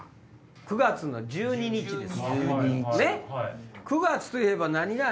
９月１２日です。